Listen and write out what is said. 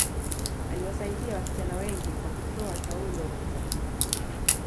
aliwasaidia wasichana wengi kwa kutoa taulo za kike